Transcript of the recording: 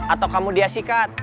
atau kamu dia sikat